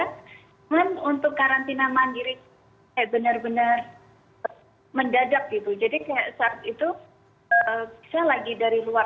dan untuk karantina mandiri benar benar mendadak gitu jadi saat itu saya lagi dari luar